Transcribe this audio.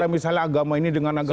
misalnya agama ini dengan agama